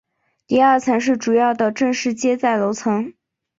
第二层是主要的正式接待楼层。